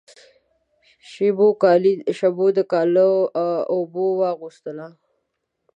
شېبو کالی د اوبو واغوستله